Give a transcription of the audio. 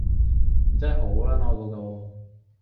佢真係好撚愛國㗎喎